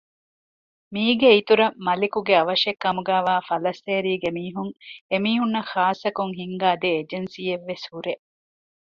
މީގެ އިތުރަށް މަލިކުގެ އަވަށެއްކަމުގައިވާ ފަލައްސޭރީގެ މީހުން އެމީހުންނަށް ޚާއްސަކޮށް ހިންގާ ދެ އެޖެންސީއެއްވެސް ހުރޭ